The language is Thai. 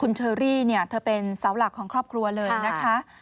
คุณเชอรี่เป็นเสาหลักของครอบครัวเลยนะคะ